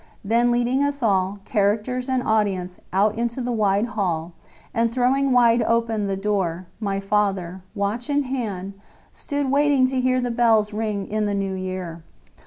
Then leading us all, characters and audience, out into the wide hall, and throwing wide open the door, my father, watch in hand, stood waiting to hear the bells ring in the New Year.